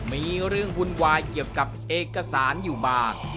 มีเรื่องวุ่นวายเกี่ยวกับเอกสารอยู่บ้าง